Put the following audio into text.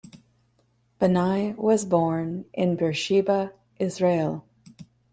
Banai was born in Beersheba, Israel.